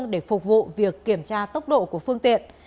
để phục vụ việc kiểm tra tốc độ của phương tiện